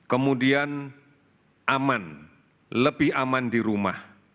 kemudian aman lebih aman di rumah